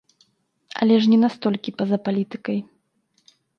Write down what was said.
Але ж не настолькі па-за палітыкай.